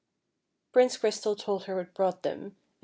Prince Crystal told her what brought them, and a.